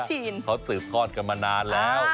สูตรการสูตรเขามีนานแล้ว